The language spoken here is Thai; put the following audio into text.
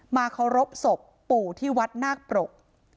เคารพศพปู่ที่วัดนาคปรก